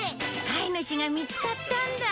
飼い主が見つかったんだ。